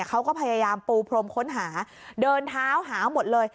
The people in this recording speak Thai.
เขาก็พยายามปูพรมค้นหาเดินเท้าหาหมดเลย